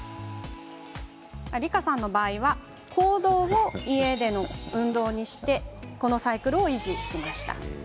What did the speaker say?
りかさんの場合は行動を家での運動にしてこのサイクルを維持しました。